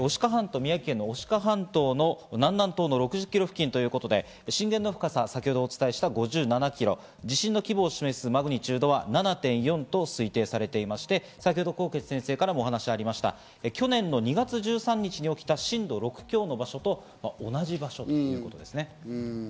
宮城県の牡鹿半島の南南東の６０キロ付近ということで、震源の深さ、先ほどお伝えした５７キロ、地震の規模を示すマグニチュードは７．４と推定されていまして、先ほど纐纈先生からもお話がありました、去年の２月１３日に起きた震度６強の場所と同じ場所ということですね。